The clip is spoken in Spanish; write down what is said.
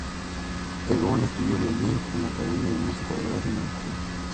Egon estudió violín en la Academia de Música de Graz, en Austria.